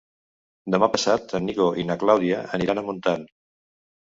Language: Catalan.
Demà passat en Nico i na Clàudia aniran a Montant.